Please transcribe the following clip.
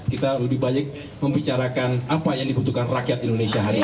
kita lebih baik membicarakan apa yang dibutuhkan rakyat indonesia hari ini